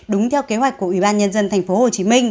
đúng theo kế hoạch của ủy ban nhân dân tp hcm